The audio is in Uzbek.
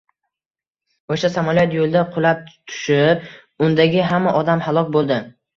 Oʻsha samolyot yulda qulab tushib, undagi hamma odam halok boʻldi